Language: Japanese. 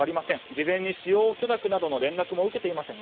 事前に使用許諾などの連絡も受けていません。